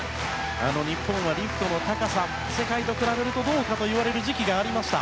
日本はリフトの高さ世界と比べるとどうかといわれる時期がありました。